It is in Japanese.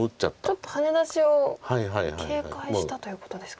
ちょっとハネ出しを警戒したということですか。